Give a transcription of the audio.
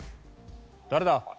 誰だ！